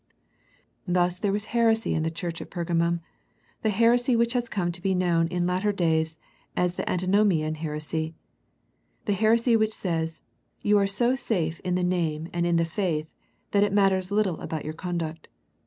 Thus there was heresy in that church at Pergamum, the heresy which has come to be known in later days as the Antinpmian heresy, the heresy which says, You are so safe in the name and in the faith, that it matters little about your conduct.